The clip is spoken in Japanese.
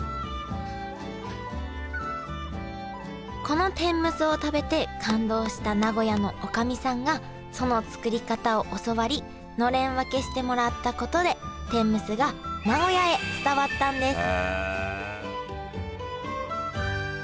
この天むすを食べて感動した名古屋のおかみさんがその作り方を教わりのれん分けしてもらったことで天むすが名古屋へ伝わったんです